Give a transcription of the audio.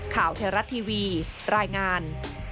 ข่าวเทราะท์ทีวีรายงาน